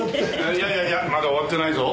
いやいやいやまだ終わってないぞ。